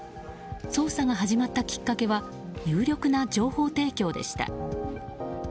捜査が始まったきっかけは有力な情報提供でした。